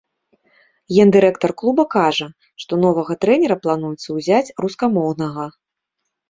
Гендырэктар клуба кажа, што новага трэнера плануецца ўзяць рускамоўнага.